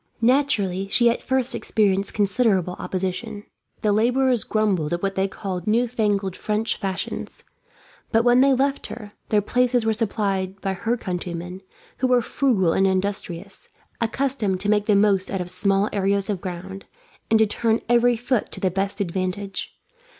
Naturally, she at first experienced considerable opposition. The labourers grumbled at what they called new fangled French fashions; but when they left her, their places were supplied by her countrymen, who were frugal and industrious, accustomed to make the most out of small areas of ground, and to turn every foot to the best advantage.